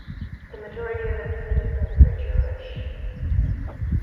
The majority of its citizens were Jewish.